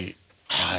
はい。